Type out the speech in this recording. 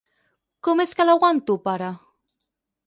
Com és que l'aguanto, pare?